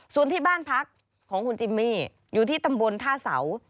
ส่วนที่บ้านพักของคุณจิมมี่อยู่ที่ตำบลท่าเสา